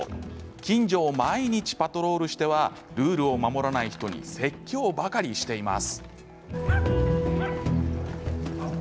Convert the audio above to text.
近所を毎日パトロールしてはルールを守らない人に説教ばかりしています。